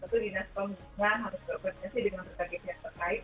lalu dinas pembangunan harus berkoordinasi dengan berbagai jenis terkait